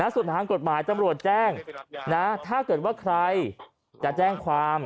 ส่วนทางกฎหมายตำรวจแจ้งถ้าเกิดว่าใครจะแจ้งความ